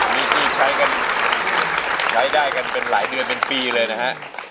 มีที่ใช้ได้กันหลายเดือนเป็นปีเลยนะฮะ